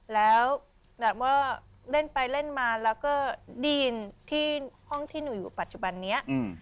แล้วแบบว่าเล่นไปเล่นมาแล้วก็ได้ยินที่ห้องที่หนูอยู่ปัจจุบันนี้